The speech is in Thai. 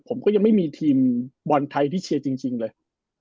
ผมก็ยังไม่มีทีมบอลไทยที่เชียร์จริงเลย